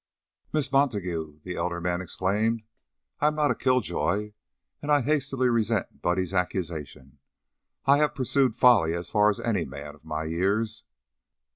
"Miss Montague," the elder man exclaimed, "I am not a kill joy and I hastily resent Buddy's accusation. I have pursued folly as far as any man of my years."